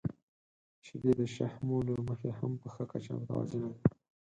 • شیدې د شحمو له مخې هم په ښه کچه متوازنه دي.